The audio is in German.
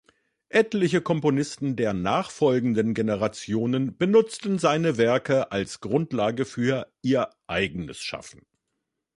Etliche Komponisten der nachfolgenden Generationen benutzten seine Werke als Grundlage für ihr eigenes Schaffen.